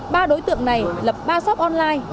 ba đối tượng này lập ba shop online